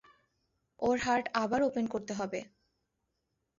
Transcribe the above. ওর heart আবার open করতে হবে।